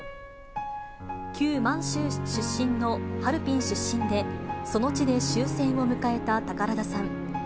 旧満州のハルピン出身で、その地で終戦を迎えた宝田さん。